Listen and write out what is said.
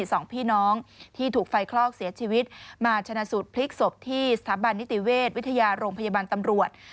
สองพี่น้องที่ถูกไฟคลอกเสียชีวิตมาชนะสูตรพลิกศพที่สถาบันนิติเวชวิทยาโรงพยาบาลตำรวจ